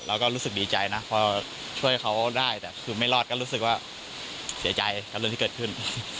รู้สึกดีใจนะพอช่วยเขาได้แต่คือไม่รอดก็รู้สึกว่าเสียใจกับเรื่องที่เกิดขึ้น